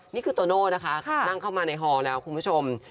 โตโน่นะคะนั่งเข้ามาในฮอแล้วคุณผู้ชม